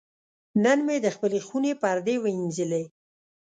نن مې د خپلې خونې پردې وینځلې.